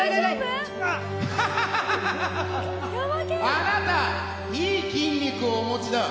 あなた、いい筋肉をお持ちだ。